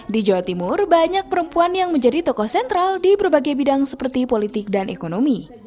di jawa timur banyak perempuan yang menjadi tokoh sentral di berbagai bidang seperti politik dan ekonomi